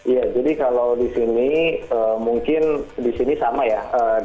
ya jadi kalau di sini mungkin di sini sama ya